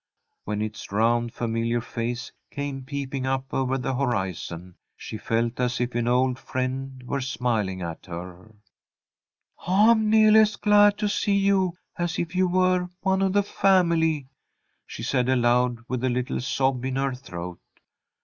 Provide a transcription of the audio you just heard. When its round, familiar face came peeping up over the horizon, she felt as if an old friend were smiling at her. "I'm neahly as glad to see you as if you were one of the family," she said, aloud, with a little sob in her throat.